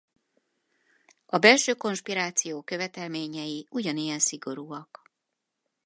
A belső konspiráció követelményei ugyanilyen szigorúak.